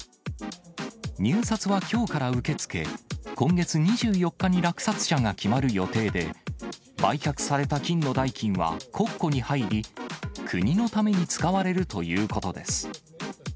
入札はきょうから受け付け、今月２４日に落札者が決まる予定で、売却された金の代金は、国庫に入り、国のために使われるということです。